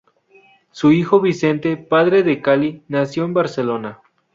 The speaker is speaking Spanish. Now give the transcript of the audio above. Su hijo Vicente, padre de Cali, nació en Barcelona.